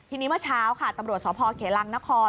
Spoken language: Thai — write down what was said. ทีนี้เมื่อเช้าค่ะตำรวจสพเขลังนคร